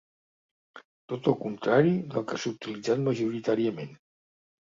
Tot el contrari del que s'ha utilitzat majoritàriament.